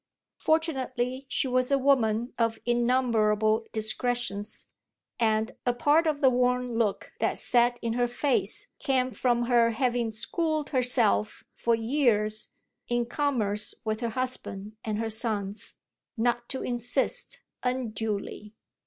Fortunately she was a woman of innumerable discretions, and a part of the worn look that sat in her face came from her having schooled herself for years, in commerce with her husband and her sons, not to insist unduly.